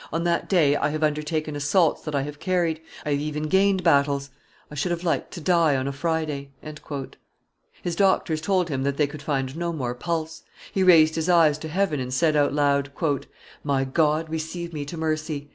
"on that day I have undertaken assaults that I have carried; I have even gained battles: I should have liked to die on a Friday." His doctors told him that they could find no more pulse; he raised his eyes to heaven and said out loud, "My God, receive me to mercy!"